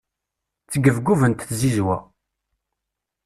Ttgebgubent tzizwa.